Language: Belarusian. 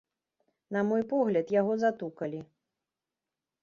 На мой погляд, яго затукалі.